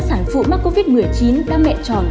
sản phụ mắc covid một mươi chín đang mẹ tròn